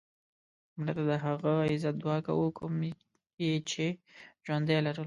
مړه ته د هغه عزت دعا کوو کوم یې چې ژوندی لرلو